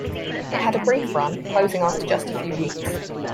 It had a brief run, closing after just a few weeks.